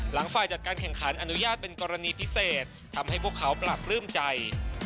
ฝ่ายจัดการแข่งขันอนุญาตเป็นกรณีพิเศษทำให้พวกเขาปราบปลื้มใจ